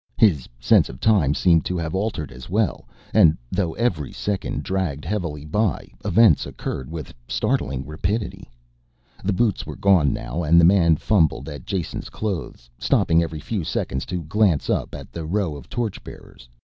His sense of time seemed to have altered as well and though every second dragged heavily by events occurred with startling rapidity. The boots were gone now and the man fumbled at Jason's clothes, stopping every few seconds to glance up at the row of torch bearers.